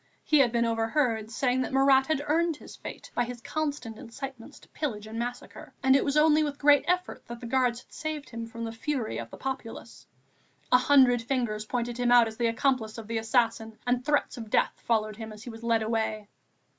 He had been overheard saying that Marat had earned his fate by his constant incitements to pillage and massacre, and it was only with great difficulty that the Guards had saved him from the fury of the populace. A hundred fingers pointed him out as the accomplice of the assassin, and threats of death followed him as he was led away.